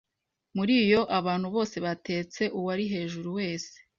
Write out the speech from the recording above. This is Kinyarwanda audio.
Muriyo abantu bose batetse uwari hejuru wese